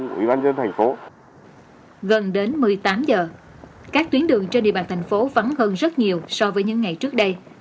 gần đến một mươi tám h các tuyến đường trên địa bàn tp vắng hơn rất nhiều so với những ngày trước đây